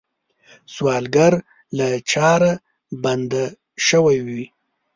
سوالګر له چاره بنده شوی وي